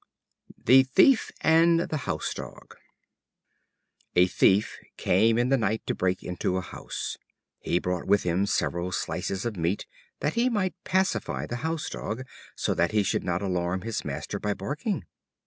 The Thief and the House Dog. A Thief came in the night to break into a house. He brought with him several slices of meat, that he might pacify the House dog, so that he should not alarm his master by barking.